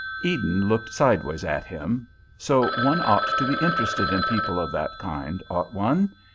Eden looked sidewise at him. So one ought to be interested in people of that kind, ought one?